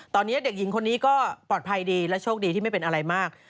ตอนนี้เด็กหญิงคนนี้ก็ปลอดภัยดีและโชคดีที่ไม่เป็นอะไรมาก